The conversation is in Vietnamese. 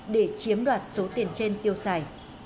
để chiếm đoạt số tiền trên tiêu xài